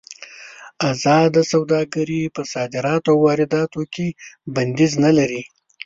ازاده سوداګري په صادراتو او وارداتو کې بندیز نه لري.